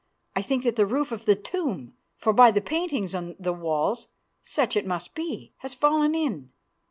I think that the roof of the tomb, for by the paintings on the walls such it must be, has fallen in.